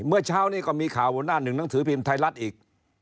เมื่อเช้านี้ก็มีข่าวหัวหน้าหนึ่งหนังสือพิมพ์ไทยรัฐอีก